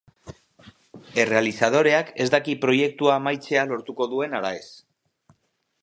Errealizadoreak ez daki proiektua amaitzea lortuko duen ala ez.